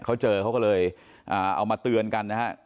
เขาเจอเขาก็เลยเอามาเตือนกันนะฮะ